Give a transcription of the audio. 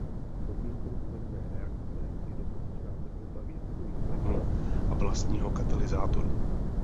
Podmínkou uvedené reakce je dostatečná teplota výfukových plynů a vlastního katalyzátoru.